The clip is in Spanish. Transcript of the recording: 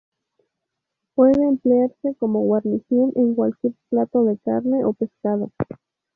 Pueden emplearse como guarnición en cualquier plato de carne o pescado.